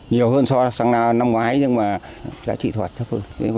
nhiều hơn so với năm ngoái nhưng mà giá trị thoạt chấp hơn